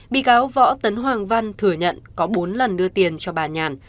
bị cáo võ tấn hoàng văn thừa nhận có bốn lần đưa tiền cho bà nhàn